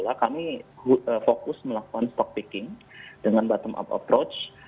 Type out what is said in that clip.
dari sisi kami juga dana dana yang kami kelola kami fokus melakukan stock picking dengan bottom up approach